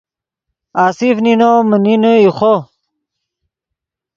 آصف نینو من نینے ایخو